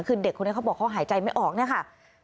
คือเด็กคนนี้เขาบอกเขาหายใจไม่ออกเนี่ยค่ะ